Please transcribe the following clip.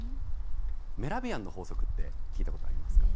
メラビアンの法則って聞いた事ありますか？